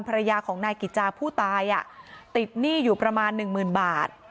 ภรรยาของนายกิจจาผู้ตายติดหนี้อยู่ประมาณหนึ่งหมื่นบาท